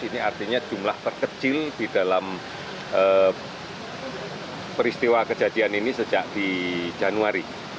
ini artinya jumlah terkecil di dalam peristiwa kejadian ini sejak di januari